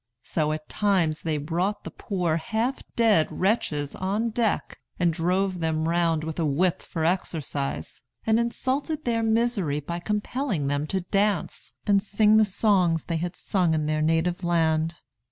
So at times they brought the poor half dead wretches on deck and drove them round with a whip for exercise, and insulted their misery by compelling them to dance, and sing the songs they had sung in their native land.